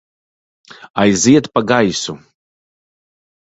Aiziet pa gaisu!